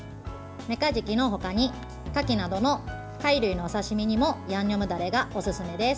めかじきのほかにかきなどの貝類のお刺身にもヤンニョムダレがおすすめです。